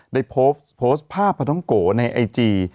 ได้โพสต์ภาพปะท้องโกในไอจี